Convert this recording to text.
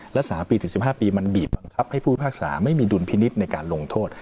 และ๓ปีถึง๑๕ปีมันบีบบังคับให้ผู้พิพากษาไม่มีดุลพินิษฐ์ในการลงโทษ